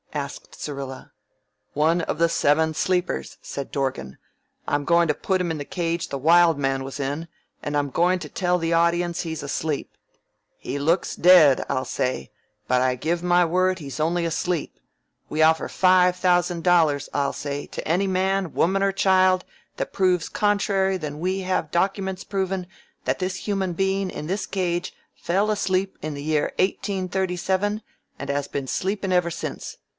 asked Syrilla. "One of the Seven Sleepers," said Dorgan. "I'm goin' to put him in the cage the Wild Man was in, and I'm goin' to tell the audiences he's asleep. 'He looks dead,' I'll say, 'but I give my word he's only asleep. We offer five thousand dollars,' I'll say, 'to any man, woman, or child that proves contrary than that we have documents provin' that this human bein' in this cage fell asleep in the year 1837 and has been sleepin' ever since.